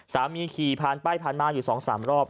สามีขี่ผ่านป้ายผ่านมาอยู่สองสามรอบ